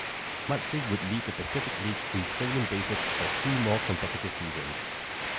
Matsui would lead the Pacific League in stolen bases for two more consecutive seasons.